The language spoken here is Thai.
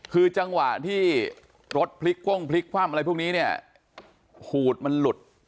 คือจังหวะที่รถพลิกก้งพลิกคว่ำอะไรพวกนี้เนี่ยหูดมันหลุด